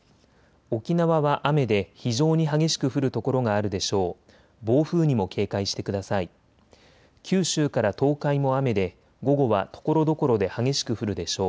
沖縄は雨で非常に激しく降る所があるでしょう。